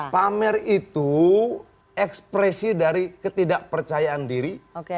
pamer itu ekspresi dari ketidak percayaan diri